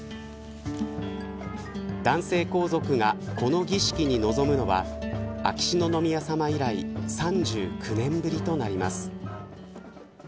男性皇族が、この儀式に臨むのは秋篠宮さま以来３９年ぶりとなります。